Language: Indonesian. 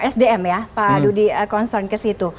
sdm ya pak fadudie concern kesini